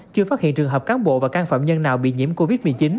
chưa phát hiện trường hợp cán bộ và căn phạm nhân nào bị nhiễm covid một mươi chín